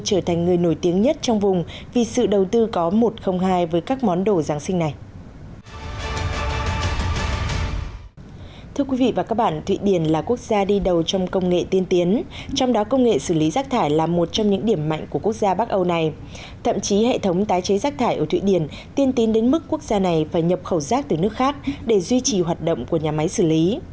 chỉ hệ thống tái chế rác thải ở thụy điển tiên tiến đến mức quốc gia này phải nhập khẩu rác từ nước khác để duy trì hoạt động của nhà máy xử lý